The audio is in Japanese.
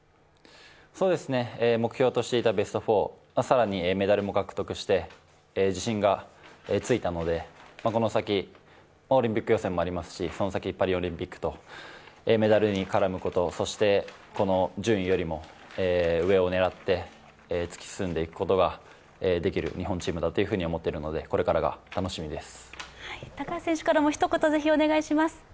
目標としていたベスト４、更にメダルも獲得して、自信がついたので、この先、オリンピック予選もありますのでその先、パリオリンピックと、メダルに絡むこと、そしてこの順位よりも上を狙って、突き進んでいくことができる日本チームだと思っているのでこれからが楽しみです。